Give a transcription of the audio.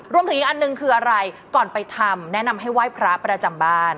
อีกอันหนึ่งคืออะไรก่อนไปทำแนะนำให้ไหว้พระประจำบ้าน